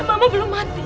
mama belum mati